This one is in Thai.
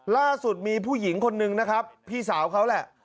ล่าสุดมีผู้หญิงคนนึงนะครับพี่สาวเขาแหละ